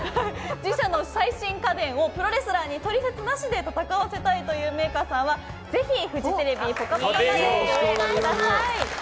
自社の最新家電をプロレスラーに取説なしで戦わせたいというメーカーさんはぜひフジテレビ「ぽかぽか」までご応募ください。